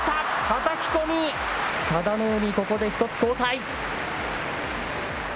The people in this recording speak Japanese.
はたき込み、佐田の海、ここで１つ後退。